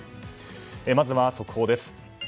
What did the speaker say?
まずは速報です。